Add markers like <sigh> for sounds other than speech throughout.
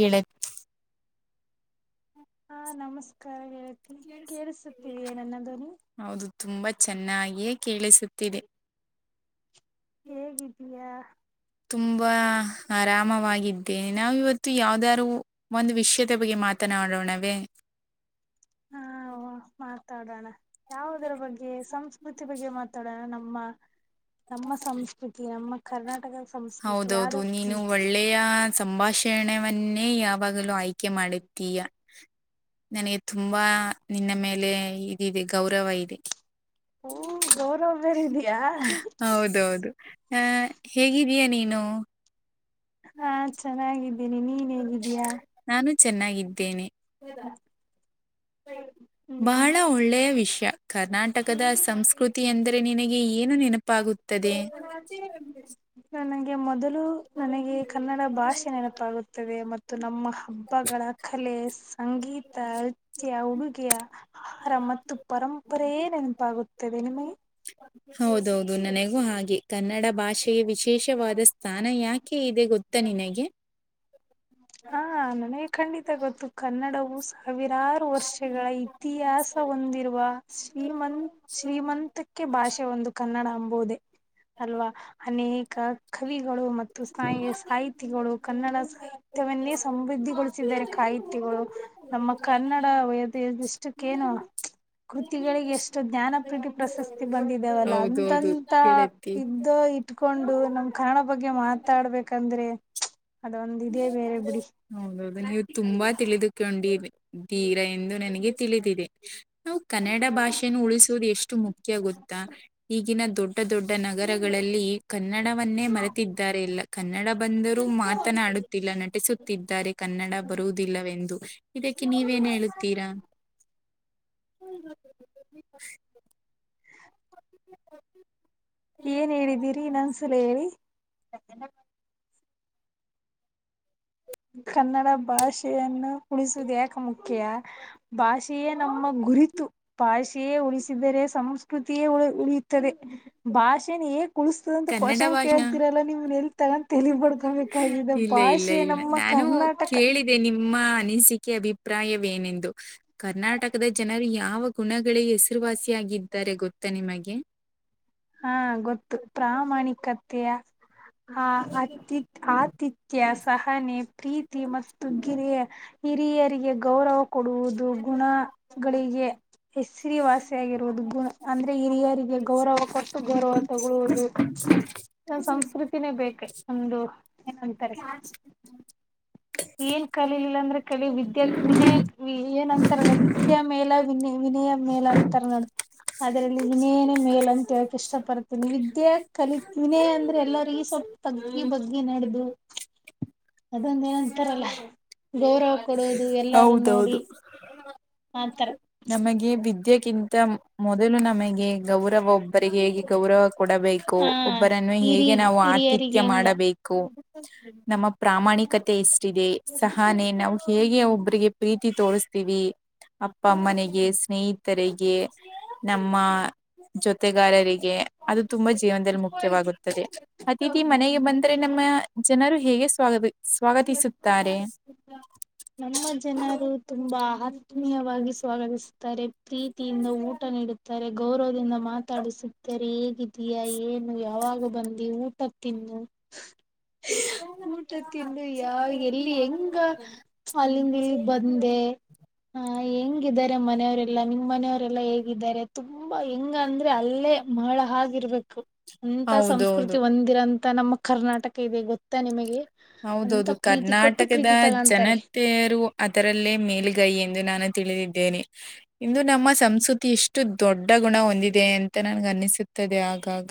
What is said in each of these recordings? ಹೇಳೆ ಹಾ ನಮಸ್ಕಾರ ಹೇಳ್ತಿ ಕೇಳಿಸುತ್ತೀವಿ ಏ ನನ್ನಾದರು ಹೌದು ತುಂಬಾ ಚೆನ್ನಾಗಿಯೇ ಕೇಳಿಸುತ್ತಿದೆ ಹೇಗಿದ್ದೀಯಾ ತುಂಬಾ ಆರಾಮವಾಗಿದ್ದೇನೆ ನಾವವು ಇವತ್ತು ಯಾವ್ದಾರು ಒಂದು ವಿಷಯದ ಬಗ್ಗೆ ಮಾತನಾಡೋಣವೇ ಹಾ ಮಾತಾಡೋಣ ಯಾವುದರ ಬಗ್ಗೆ ಸಂಸ್ಕೃತಿ ಬಗ್ಗೆ ಮಾತಾಡ ನಮ್ಮ ನಮ್ಮ ಸಂಸ್ಕೃತಿ ನಮ್ಮ ಕರ್ನಾಟಕ ಸಂಸ್ಕೃತಿ ಹೌದೌದು ಯಾವ್ದೋ ನೀನು ಒಳ್ಳೆಯ ಸಂಭಾಷಣವನ್ನೇ ಯಾವಾಗಲೂ ಆಯ್ಕೆ ಮಾಡತೀಯ ನನಗೆ ತುಂಬಾ ನಿನ್ನ ಮೇಲೆ ಇದಿದೆ ಗೌರವ ಇದೆ ಓ ಗೌರವ ಬೇರೆ ಇದೆಯಾ ಹೌದ ಹೌದು ಹ ಹೇಗಿದೀಯಾ ನೀನು ಹಾ ಚೆನ್ನಾಗಿದ್ದೇನೆ ನೀನ್ ಹೇಗಿದ್ದೀಯಾ ನಾನು ಚೆನ್ನಾಗಿದ್ದೇನೆ ಸರಿ ಬಹಳ ಒಳ್ಳೆಯ ವಿಷಯ ಕರ್ನಾಟಕದ ಸಂಸ್ಕೃತಿ ಎಂದರೆ ನಿನಗೆ ಏನು ನೆನಪಾಗುತ್ತೆ ತದೆೇ ಸೊ ನಂಗೆ ಮೊದಲು ನನಗೆ ಕನ್ನಡ ಭಾಷೆ ನೆನಪಾಗುತ್ತದೆ ಮತ್ತು ನಮ್ಮ ಹಬ್ಬಗಳ ಕಲೆ ಸಂಗೀತ ನೃತ್ಯ ಉಡುಗೆಯ ಆಹಾರ ಮತ್ತು ಪರಂಪರೆ ನೆನಪಾಗುತ್ತದೆ ನಿಮಗೆ ಹೌದೌದು ನನಗೂ ಹಾಗೆ ಕನ್ನಡ ಭಾಷೆ ವಿಶೇಷವಾದ ಸ್ಥಾನ ಯಾಕೆ ಇದೆ ಗೊತ್ತಾ ನಿನಗೆ ಹಾ ನನಗೆ ಖಂಡಿತ ಗೊತ್ತು ಕನ್ನಡವು ಸಾವಿರಾರು ವರ್ಷಗಳ ಇತಿಹಾಸ ಹೊಂದಿರುವ ಶ್ರೀಮನ್ ಶ್ರೀಮಂತಕ್ಕೆ ಭಾಷೆ ಒಂದು ಕನ್ನಡ ಅಂಬೋುದೇ ಅಲ್ವಾ ಅನೇಕ ಕವಿಗಳು ಮತ್ತುಹಿ ಸಾಹಿತಿಗಳು ಕನ್ನಡ ಸಾಹಿತ್ಯವನ್ನೇ ಸಮೃದ್ಧಿಗೊಳಿಸಿದ್ದಾರೆ ಸಾಹಿತ್ಯಗಳು ನಮ್ಮ ಕನ್ನಡ ವ ದಿಸಿಕ್ ಕ್ಕೇನು ಕೃತಿಗಳಿಗೆ ಎಷ್ಟು ಜ್ಞಾನಪೀತಿ ಪ್ರಶಸ್ತಿ ಬಂದಿದ್ದೇವಲ್ಲ ಹೌದೌದು ಅಂತಂತ ಗೆಳತಿ. ಇದ್ದು ಇತ್ಕೊಂಡು ನಮ್ ಕನ್ನಡ ಬಗ್ಗೆ ಮಾತಾಡ್ಬೇಕಂದ್ರೆ ಅದೊಂದ ಇದೇ ಬೇರೆ ಬಿಡಿ ಹೌದೌದು ನೀವು ತುಂಬಾ ತಿಳಿದುಕೊಂಡಿರಿ ೀರಾ ಎಂದು ನನಗೆ ತಿಳಿದಿದೆ ನಾವು ಕನ್ನಡ ಭಾಷೆನ್ನು ಉಳಿಸುದು ಎಷ್ಟು ಮುಖ್ಯ ಗೊತ್ತಾ. ಈಗಿನ ದೊಡ್ಡ ದೊಡ್ಡ ನಗರಗಳಲ್ಲಿ. ಕನ್ನಡವನ್ನೇ ಮರೆತಿದ್ದಾರೆ ಇಲ್ಲ ಕನ್ನಡ ಬಂದರೂ ಮಾತ. ಮಾತಡುತ್ತಿಲ್ಲ ನಟಿಸುತ್ತಿದ್ದಾರೆ ಕನ್ನಡ ಬರುವುದಿಲ್ಲವೆಂದು. ಇದಕ್ಕೆ ನೀವೇನ್ ಹೇಳುತ್ತೀರಾ. ಏನ್ ಹೇಳಿದ್ದೀರಿ ಇನ್ನೊಂದ್ ಸಲ ಹೇಳಿ. ಕನ್ನಡ ಭಾಷೆಯನ್ನು ಉಳಿಸುವುದು ಯಾಕ ಮುಖ್ಯ. ಭಾಷೆಯೇ ನಮ್ಮ ಗುರಿತು. ಭಾಷೆಯೇ ಉಳಿಸಿದರೆ ಸಂಸ್ಕೃತಿಯೇ ಉ ಉಳಿಯುತ್ತದೆ ಭಾಷೆನೇಳಿಸ. ಇದು ಒಂದು ಕನ್ನಡ ಕ್ವಶನ್ ಭಾಷಾ ಕೇಳಳ್ತೀರಲ್ಲ ನಿವು್ ನೆಲ್ ತಗೊಂಡ್ ತಳ ಬಡ್ಕೊಬೇಕಾಗಿದೆ ಇಲ್ಲ ಇಲ್ಲ ಭಾಷೆ ಇಲ್ಲ ನಮ್ಮ. ನಾನು ಕರ್ನಾಟಕ ಕೇಳಿದೆ ನಿಮ್ಮ ಅನನಿಸಿಕೆ. ಕೆ ಅಭಿಪ್ರಾಯವೇನೆಂದು ಕರ್ನಾಟಕದ ಜನರು ಯಾವ ಗುಣಗಳಿಗೆಸ. ಹೆಸರುವಾಸಿಯಾಗಿದ್ದಾರೆ ಗೊತ್ತಾ ನಿಮಗೆ. ಹಾ ಗೊತ್ತು ಪ್ರಾಮಾಣಿಕತೆಯ. ಹ ಅತಿಥ ಆತಿಥ್ಯ ಸಹನೆ ಪ್ರೀತಿ. ತಿ ಮತ್ತು ಗಿರಿಯ ಹಿರಿಯರಿಗೆ ಗೌರವ ಕೊಡುವುದು ಗುಣಗಳಿಗೆ. ಸಿರಿವಾಸಿಯಗಿರುವುದು ಗು ಅಂದ್ರೆ ಹಿರಿಯರಿಗೆ ಗೌರವ ಕೊಟ್ಟು ಗೌರವ ತಗೊಳ್ಳುವುದು. <inaudible> ಿನೇ ಬೇಕ ಒಂದು ಏನಂತಾರೆ. <inaudible> ಏನ್ ಕಲಿಲಿಲ್ಲ ಅಂದ್ರೆ ಕಳ ವಿದ್ಯ ವಿನಯ ಏನ್ ಅಂತಾರ. ನತ್ಯ ಮೇಲ ವಿನಯ ವಿನಯ ಮೇಲ ಅಂತಾರ ನೋಡ. ಅದ್ರಲ್ಲಿ ವಿನಯನೇ ಮೇಲ್ ಅಂತ ಹೇಳಕ್ ಇಷ್ಟ ಪಡ್ತೀನ ವಿದ್ಯ ಕಲಿತ ವಿನಯ ಅಂದ್ರೆ ಎಲ್ಲರಿಗೂ. ಸ್ವಲ್ಪ ತಗ್ಗಿ ಬಗ್ಗಿ ನಡೆದು ಅದೊಂದ ಏನ. ಅಂತಾರಲ್ಲಲ್ಲ ಗೌರವ ಕೊಡುವುದು ಎಲ್ಲಾರೂ ನೋಡಿ. ಹೌದೌದು ಆತರ ನಮಗೆ ವಿದ್ಯೆಗಿಂತ ಮೊದಲು ನಮಗೆ ಗೌರವ. ಒಬ್ಬರಿಗೆ ಹೇಗೆ ಗೌರವ ಕೊಡಬೇಕು ಹಾ ಒಬ್ಬರನ್ನು ಹಿರಿ ಹೇಗೆ ನಾವು ಆ. ನಿತ್ಯ ಹಿರಿಯರಿಗೆ ಹೆಂಗ ಮಾಡಬೇಕು ನಮ್ಮ ಪ್ರಾಮಾಣಿಕತೆ ಎಷ್ಟ. ದೆ ಸಹಾನೆ ನಾವು ಹೇಗೆ ಒಬ್ರಿಗೆ ಪ್ರೀತಿ ತೋರಿಸ್ತೀವಿ. ಅಪ್ಪ ಅಮ್ಮನೆಗೆ ಸ್ನೇಹಿತರಿಗೆ ನಮ್ಮ. ಜೊತೆಗಾರರಿಗೆ ಅದು ತುಂಬಾ ಜೀವನದಲ್ಲಿ ಮುಖ್ಯವಾಗುತ್ತೆ. ಅತಿಥಿ ಮನೆಗೆ ಬಂದರೆ ನಮ್ಮ ಜನರು ಹೇಗೆ ಸ್ವಾಗ ಸ್ವಾಗತಿಸ. ತಾರೆ. <inaudible> ನಮ್ಮ ಜನರು ತುಂಬಾ ಆತ್ಮೀಯವಾಗಿ ಸ್ವಾಗತಿಸುತ್ತಾರೆ ಪ್ರೀತಿಯಿಂದ ಊಟ ನೀಡುತ್ತ. ತಾರೆ ಗೌರವದಿಂದ ಮಾತಾಡಿಸುತ್ತ. ಸರಿ ಹೇಗಿದೀಯಾ ಏನು ಯಾವಾಗ ಬಂದಿ ಊಟ ತಿನ್ನು. ಊಟ ತಿಂದು ಯಾ. <unintelligible> ಇಲ್ಲಿ ಹೆಂಗ ಅಲ್ಲಿಂದ ಇಲ್ಲಿ ಬಂದೆ ಆ ಹೆಂಗಾರೆ ಮನೆಯ. ಎಲ್ಲಾ ನಿಮ್ ಮನೆಯವರೆಲ್ಲಾ ಹೇಗಿದ್ದಾರೆ ತುಂಬಾ ಹೆಂಗ ಅಂದ್ರೆ ಅಲ್ಲೇ ಮಹಳ ಆಗಿರಬೇಕು. ಅಂತ ಸಂಸ್ಕೃತಿ ಒಂದಿರಂತ ನಮ್ಮ ಕರ್ನಾಟಕ ಇದೆ ಗೊತ್ತಾ ನಿಮಗೆ ಅಂತ. ಹೌದೌದು ಪ್ರೀತಿ ಕೊಟ್ಟು ಕರ್ನಾಟಕದ ಪ್ರೀತಿ ತಗಂತಾರೆ. ಜನತೆಯರು ಅದರಲ್ಲೇ ಮೇಲುಗೈ ಎಂದು ನಾನು ತಿಳಿದಿದ್ದೇನೆ. ಇಂದು ನಮ್ಮ ಸಂಸ್ಕೃತಿ ಎಷ್ಟು ದೊಡ್ಡ ಗುಣ ಹೊಂದಿದೆ ಅಂತ ನನ್ಗ ಅನ್ನಿಸುತ್ತೆ. ಆಗಾಗ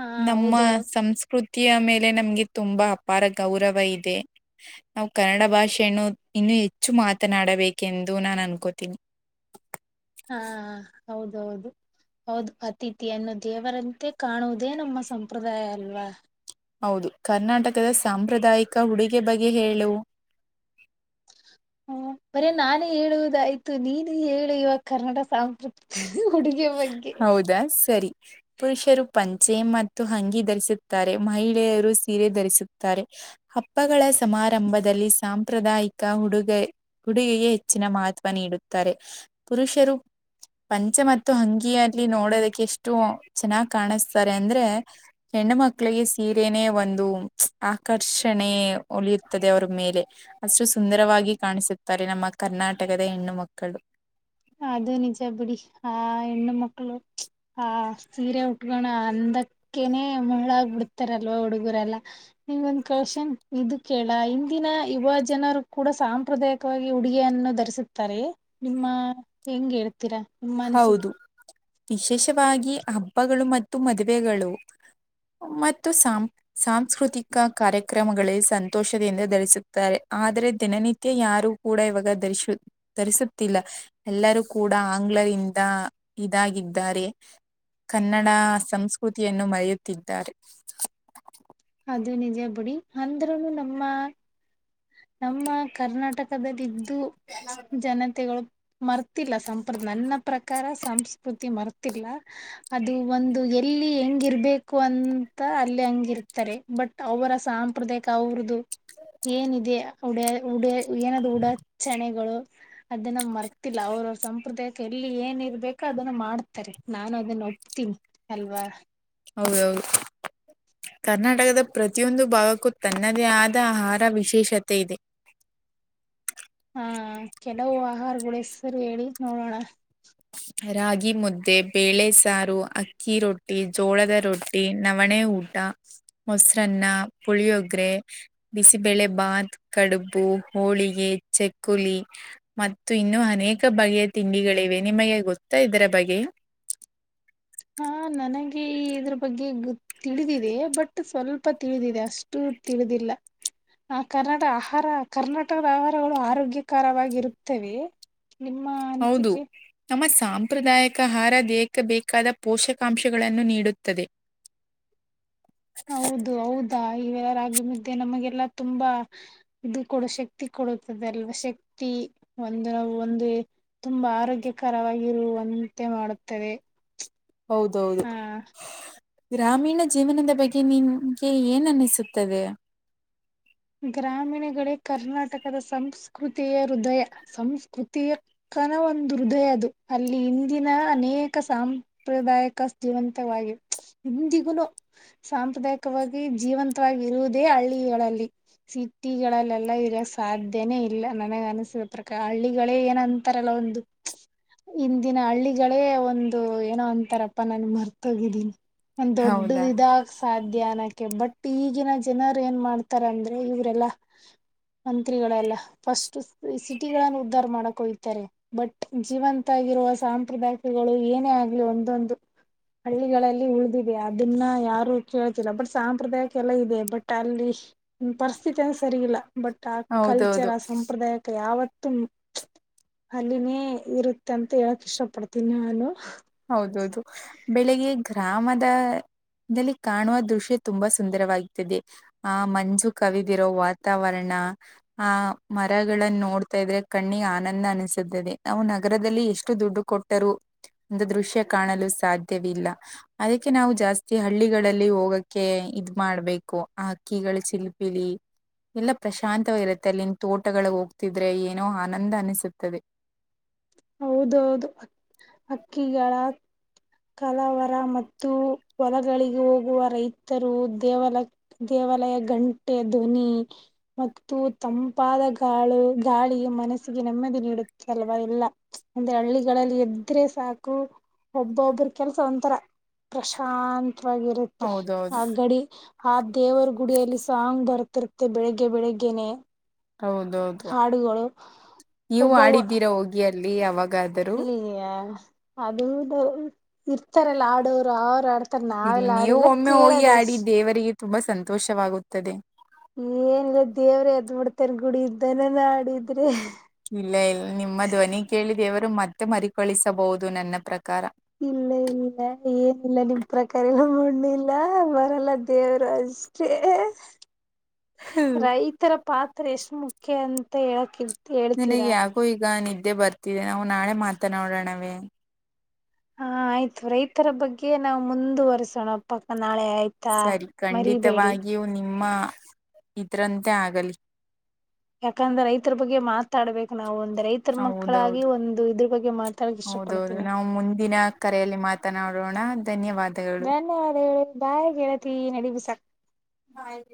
ಹಾ ನಮ್ಮ ಹೌದು ಸಂಸ್ಕೃತಿ. ಮೇಲೆ ನಮ್ಗೆ ತುಂಬಾ ಅಪಾರ ಗೌರವ ಇದೆ ನಾವು ಕನ್ನಡ ಭಾಷೆನು ಇನ್ನು ಹೆ. ಹೆಚ್ಚು ಮಾತನಾಡಬೇಕೆಂದು ನಾನು ಅನ್ಕೋತೀನಿ ಹಾ ಹೌದೌದು ಹೌದು ಅತಿಿ ವಿಯನ್ನು ದೇವರಂತೆ ಕಾಣುವುದೇ ನಮ್ಮ ಸಂಪ್ರದಾಯ ಅಲ್ವಾ ಹೌದು ಕರ್ನಾಟಕದ ಸಾಂಪ್ರದಾಯಿಕ ಹುಡುಗೆ ಬಗ್ಗೆ ಹೇಳು ಹ್ಮ್ ಬರೇ ನಾನೇ ಹೇಳುವುದಾಯ್ತು ನೀನು ಹೇಳ ಇುವ ಕರ್ನ್ನಡ ಸಾಂಸ್ಕೃತಿಕ ಉುಡುಗೆ ಬಗ್ಗೆ ಹೌದಾ ಸರಿ ಪುರುಷರು ಪಂಚೆ ಮತ್ತು ಹಂಗಿ ಧರಿಸುತ್ತಾರೆ ಮಹಿಳೆಯರು ಸೀರೆ ಧರಿಸುತ್ತಾರೆ ಹಬ್ಬಗಳ ಸಮಾರಂಭದಲ್ಲಿ ಸಾಂಪ್ರದಾಯಿಕ ಹುಡುಗ ಗುಡುಿಗೆಗೆ ಹೆಚ್ಚಿನ ಮಹತ್ವ ನೀಡುತ್ತಾರೆ ಪುರುಷರು ಪಂಚ ಮತ್ತು ಹಂಗಿಯಲ್ಲಿ ನೋಡೋದಕ್ಕೆ ಎಷ್ಟ ಎಷ್ಟು ಚೆನ್ನಾಗಿ್ ಕಾಣಿಸ್ತಾರೆ ಅಂದ್ರೆ ಹೆಣ್ಣ ಮಕ್ಳಿಗೆ ಸೀರೆನೆೇ ಒಂದು ಆಕರ್ಷಣೆ ಒಲಿಯದೆ ಅವರ ಮೇಲೆ ಅಷ್ಟು ಸುಂದರವಾಗಿ ಕಾಣಿಸ ಸರಿ ನಮ್ಮ ಕರ್ನಾಟಕದ ಹೆಣ್ಣು ಮಕ್ಕಳು ಅದು ನಿಜ ಬಿುಡಿ ಆ ಹೆಣ್ಣು ಮಕ್ಕಳು ಹಾ ಸೀರೆ ಉಟ್ಕೋಣ ಅಂದ ಕ್ಕನೆ ಮಳ್ಳಾಗ ಬಿಿಡ್ತಾರಲ್ವ ಹುಡುಗರೆಲ್ಲಾ ನಿಮೊಂದ್ ಕಳ್ಷನ್ ಇದು ಕೇಳ ಇಿಂದಿನ ಯುವ ಜನರು ಕೂಡ ಸಾಂಪ್ರದಾಯಿಕವಾಗಿ ಉಡುಗಿಯಯನ್ನು ಧರಿಸುತ್ತಾರೆ ನಿಮ್ಮ ಹೆಂಗ್ ಹೇಳ್ತೀರಾ ನಿಮ್ಮ ಅನಿಸಿಕೆ ಹೌದು ವಿಶೇಷವಾಗಿ ಹಬ್ಬಗಳು ಮತ್ತು ಮದುವೆಗಳು ಮ ಮತ್ತು ಸಾಂ ಸಾಂಸ್ಕೃತಿಕ ಕಾರ್ಯಕ್ರಮಗಳಗಳಲ್ಲಿ ಸಂತೋಷದೆಯಿಂದ ಧರಿಸ ಆದ್ರೆ ದಿನನಿತ್ಯ ಯಾರು ಕೂಡ ಇವಾಗ ಧರಿಸ ಧರಿಸುತ್ತಿಲ್ಲ ಎಲ್ಲರೂ ಕೂಡ ಆಂಗ್ಲರಿಂದ ಇದಾಗಿದ್ದಾರೆ ಕನ್ನಡ ಸಂಸ್ಕೃತಿಯನ್ನು ಮರೆಯುತ್ತಿದ್ದಾರೆ ಅದು ನಿಜ ಬಿುಡಿ ಅಂದ್ರೂನು ನಮ್ಮ ನಮ್ಮ ಕರ್ನಾಟಕಲ್ಲ್ದು ಜನತೆಗಳು ಮರ್ತಿಲ್ಲ ಸಂಪ್ರದ ನನ್ನ ಪ್ರಕಾರ ಸಂಸ್ಕೃತಿ ಮರ್ತಿಲ್ಲ ಅದು ಒಂದು ದಲ್ಲಿಯನ್ ಹಂಗಿರ್ಬೇಕು ಅಂತ ಅಲ್ಲಿ ಹಂಗಿರ್ತಾರೆ ಬಟ್ ಅವರ ಸಾಂಪ್ರದಾಯಿಕ ಅವರದುು ಏನಿದೆ ಉಡ ಉಡ ಏನಾದೂ ಉಡಾ ಚಣೆಗಳು ಅದನ್ನ ಮರ್ತಿಲ್ಲ ಅವ್ರವ್ರ ಸಂಪ್ರದಾಯಕ್ಕೆ ಎಲ್ಲಿ ಏನ್ ಇರ್ಬೇಕು ಅದನ್ನ ಮಾಡ್ತಾರೆ ನಾನು ಅದನ್ನ ಒಪ್ತೀನಿ ಅಲ್ವಾ ಹೌದೌದು ಕರ್ನಾಟಕದ ಪ್ರತಿಯೊಂದು ಭಾಗಕ್ಕೂ ತನ್ನದೇ ಆದ ಆಹಾರ ವಿಶೇಷತೆ ಇದೆ ಹಾ ಕೆಲವು ಆಹಾರಗಳ ಹೆಸರು ಹೇಳಿ ನೋಡೋಣ ರಾಗಿ ಮುದ್ದೆ ಬೇಳೆ ಸಾರು ಅಕ್ಕಿ ರೊಟ್ಟಿ ಜೋಳದ ರೊಟ್ಟಿ ನವಣೆ ಊಟ. ಮೊಸರನ್ನ ಪುಳಿಯೋಗರೆ. ಬಿಸಿಬೇಳೆ ಭಾತ್ ಕಡುಬು ಹೋಳಿಗೆ ಚಕ್ಕುಲಿ. ಮತ್ತು ಇನ್ನು ಅನೇಕ ಬಗೆಯ ತಿಂಡಿಗಳಿವೆ ನಿಮಗೆ ಗೊತ್ತಾ ಇದರ ಬಗೆಯ. ಹಾ ನನಗೆ ಈ ಇದ್ರೂ ಬಗ್ಗೆ ಗೊ ತಿಳಿದಿದೆ ಬಟ್ ಸ್ವಲ್ಪ ತಿಳಿದಿದೆ ಅಸ್ಟೇ. ತತಿಳಿದಿಲ್ಲ. ಆ ಕರ್ನಾಟ ಆಹಾರ ಕರ್ನಾಟಕದ ಆಹಾರಗಳು ಆರೋಗ್ಯಕರವಾಗಿರುತ್ತವೆ. ನಿಮ್ಮ ಹೌದು, ಅನಿಸಿಕೆ. ನಮ್ಮ ಸಾಂಪ್ರದಾಯಿಕ ಆ ಹಾರ ದೇಕ ಬೇಕಾದ ಪೋಷಕಾಂಶಗಳನ್ನು ನೀಡುತ್ತದೆ. <inaudible> ಹೌದು ಹೌದಾ ಇವೆ ರಾಗಿ ಮುದ್ದೆ ನಮಗೆಲ್ಲ ತುಂಬಾ. ಇದು ಕೂಡ ಶಕ್ತಿ ಕೊಡುತ್ತದೆ ಅಲ್ವಾ ಶಕ್ತಿ ಒಂದುವು ಒಂದು. ತುಂಬಾ ಆರೋಗ್ಯಕರವಾಗಿರುವಂತೆ ಮಾಡುತ್ತದೆ. ಹೌದೌದು ಹ ಗ್ರಾಮೀಣ ಜೀವನದ ಬಗ್ಗೆ ನಿಂಗೆ ಏನ್ ಅನಿಸುತ್ತದೆ. ಗ್ರಾಮೀಣಗಳೇ ಕರ್ನಾಟಕದ ಸಂಸ್ಕೃತಿಯ ಹೃದಯ ಸಂಸ್ಕೃತಿಯ. ಕನ ಒಂದು ಹೃದಯ ಅದು ಅಲ್ಲಿ ಇಂದಿನ ಅನೇಕ ಸಾಂಪ್ರದಾಯಕ ಸಾಪ್ರದಾಯಕ ಜೀವಂತವಾಗಿದೆ ಇಂದಿಗೂ ಸಾಂಪ್ರದಾಯಿಕವಾಗಿ ಜೀವಂತವಾಗಿ ಇರುವುದೇ ಹಳ್ಳಿಗಳಲ್ಲಿ. ಸಿಟಿಗಳಲ್ಲೆಲ್ಲ ಇರೋ ಸಾಧ್ಯನೇ ಇಲ್ಲ ನನಗ ಅನಸಿದ ಪ್ರಕಾರ ಹಳ್ಳಿಗಳೇ ಏನ. ಏನು ಅಂತಾರಲ್ಲ ಒಂದು ಇಂದಿನ ಹಳ್ಳಿಗಳೇ ಒಂದು ಏನೋ ಅಂತಾರಪ್ಪ ನನ್ ಮರ್ತೋಗಿದ್ದೀನಿ. ಒಂದ್ ದೊಡ್ಡ ಹೌದಾ ಇದಾಗ ಸಾಧ್ಯನ. ಬಟ್ ಈಗಿನ ಜನರು ಏನ್ ಮಾಡ್ತಾರ ಅಂದ್ರೆ ಇವರೆಲ್ಲಾ ಮಂತ್ರಿಗಳೆಲ್ಲ. ಫಸ್ಟ್ ಸಿಟಿ ಗಳನ್ನು ಉದ್ಧಾರ ಮಾಡಕ್ ಹೊಯ್ತರ. ಬಟ್ ಜೀವಂತಗರುವ ಸಾಂಪ್ರದಾಯಿಕಗಳು ಏನೇ ಆಗ್ಲಿ ಒಂದೊಂದು. ಹಳ್ಳಿಗಳಲ್ಲಿ ಉಳಿದಿದೆ ಅದನ್ನ ಯಾರು ಕೇಳ್ತಿಲ್ಲ ಬಟ್ ಸಾಂಪ್ರದಾಯಿಕ ಎಲ್ಲ ಇದೆ ಬಟ್ ಅಲ್ಲಿ. ಪರಿಸ್ಥಿತಂದ ಸರಿ ಇಲ್ಲ ಬಟ್ ಆ ಕಲ್ಚರ್ ಹೌದೌದು ಆ ಸಂಪ್ರದಾಯಕ್ಕೆ ಯಾವತ್ತೂ. ಅಲ್ಲಿನೇ ಇರುತ್ತೆ ಅಂತ ಹೇಳಕ್ ಇಷ್ಟ ಪಡ್ತೀನಿ ನಾನು. ಹೌದೌದು ಬೆಳಿಗ್ಗೆ ಗ್ರಾಮದ.. ದಲ್ಲಿ ಕಾಣುವ ದೃಶ್ಯ ತುಂಬಾ ಸುಂದರವಾಗುತ್ತದೆ. ಆ ಮಂಜು ಕವಿದಿರೋ ವಾತಾವರಣ ಆ ಮರಗಳನ್ನ ನೋಡ್ತಾ ಇದ್ರೆ. ಕಣ್ಣಿಗೆ ಆನಂದ ಅನಿಸುತ್ತದೆ ನಾವು ನಗರದಲ್ಲಿ ಎಷ್ಟು ದುಡ್ಡು ಕೊಟ್ಟರು. ಒಂದು ದೃಶ್ಯ ಕಾಣಲು ಸಾಧ್ಯವಿಲ್ಲ. ಅದಕ್ಕೆ ನಾವು ಜಾಸ್ತಿ ಹಳ್ಳಿಗಳಲ್ಲಿ ಹೋಗಕ್ಕೆ ಇದ ಮಾಡ್ಬೇಕು ಅಕ್ಕಿಗಳ ಚಿಲುಪಿಲಿ. ಎಲ್ಲ ಪ್ರಶಾಂತವಾಗಿರುತ್ತೆ ಅಲ್ಲಿಂದ ತೋಟಗಳಗ್ ಹೋಗ್ತಿದ್ರೆ ಏನೋ ಆನಂದ ಅನಿಸುತ್ತದೆ. ಹೌದೌದು ಅಕ್ಕಿಗಳ. ಕಲಾವರ ಮತ್ತು ಹೊಲಗಳಿಗೆ ಹೋಗುವ ರೈತರು ದೇವಾಲಯಕ್ಕೆ ದೇವಾಲಯ ಗಂಟೆ ಧ್ವನಿ. ಮತ್ತು ತಂಪಾದ ಗಾಳು ಗಾಳಿಯು ಮನಸ್ಸಿಗೆ ನೆಮ್ಮದಿ ನೀಡುತ್ತಲ್ವ ಇಲ್ಲ. ಅಂದ್ರೆ ಹಳ್ಳಿಗಳಲ್ಲಿ ಎದ್ರೆ ಸಾಕು ಒಬ್ಬೊಬ್ಬ. ಒಬ್ರು ಕೆಲ್ಸ ಒಂಥರ ಪ್ರಶಾಂತವಾಗಿರುತ್ತೆ ಆ ಹೌದೌದು ಗಡಿ. ಆ ದೇವರ ಗುಡಿಯಲ್ಲಿ ಸಾಂಗ್ ಬರ್ತಿರುತ್ತೆ ಬೆಳಿಗ್ಗೆ ಬೆಳಿಗ್ಗೆನೆ. ಹೌದೌದು. ಹಾಡುಗಳು. ನೀವು ಆಡಿದ್ದೀರಾ ಹೋಗಿ ಅಲ್ಲಿ ಅವಾಗ. ಇಯೇ ಅದುದ. ಇರ್ತಾರಲ್ಲ ಆಡೋರು ಅವ್ರು ಆಡ್ತಾರ ಇಲ್ಲಿ ನಾವೆಲ್ಲ ನೀವು ಆಡಿಲ್ಲ ಒಮ್ಮೆ ಹೋಗಿ ಕೇಳದ. ಆಡಿ ದೇವರಿಗೆ ತುಂಬಾ ಸಂತೋಷವಾಗುತ್ತದೆ. ಏನ್ಲ್ಲ ದೇವ್ರ ಎದ್ ಬಿಿಡ್ತಾರ ಗುಡಿ. ಇಲ್ಲ ಇಲ್ಲ <unintelligible> ಕಳಿಸಬಹುದು ನನ್ನ ಪ್ರಕಾರ. ಇಲ್ಲ ಇಲ್ಲ ಏನಿಲ್ಲ ನಿಮ ಪ್ರಕಾರ ಎಲ್ಲ ಮಣ್ಣ ಇಲ್ಲ ಬರಲ್ಲ ದೇವರಾಜ್. ಎ ಎ <unintelligible> ರೈತರ ಪಾತ್ರ ಎಷ್ಟು ಮುಖ್ಯ ಅಂತ ಹೇಳ್ತಿದ್ದೆ. ನಿನಗ್ ಯಾಕೋ ಈಗ ನಿದ್ದೆ ಬರ್ತಿದೆ ನಾವು ನಾಳೆ ಮಾತನಾಡೋಣವೇ. ಹಾ ಆಯ್ತು ರೈತರ ಬಗ್ಗೆ ನಾವು ಮುಂದುವರಿಸೋಣ. ಪಕ್ ನಾಳೆ ಆಯ್ತಾ ಸರಿ ಮರಿಬೇಡಿ. ಖಂಡಿತವಾಗಿಯೂ ನಿಮ್ಮ ಇದ್ರಂತೆ ಆಗಲಿ. ಯಾಕಂದ್ರೆ ರೈತರ ಬಗ್ಗೆ ಮಾತಾಡ್ಬೇಕು ನಾವು ಒಂದು ರೈತರ ಮಕ್ಕಳಾಗಿ ಹೌದೌದು ಒಂದು ಇದ್ರ ಬಗ್ಗೆ ಮಾತ ತಡಾಕ್ ಹೌದೌದು ಇಷ್ಟಪಡ್ತೀನಿ ನಾವು ಮುಂದಿನ ಕರೆಯಲ್ಲಿ ಮಾತನಾಡೋಣ ಧನ್ಯವಾದಗಳು <unintelligible> ಅದ ಹೇಳ ಬಾಯಿ ಗೇಳತಿ ನಡಿ ಸಾಕ. ಹಾಯ್ತ